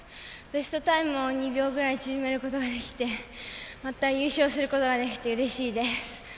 ベストタイムを２秒ぐらい縮めることができてまた、優勝することができてうれしいです。